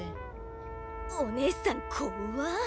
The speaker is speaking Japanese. おねえさんこっわー。